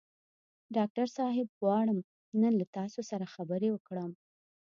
ډاکټر صاحب غواړم نن له تاسو سره خبرې وکړم.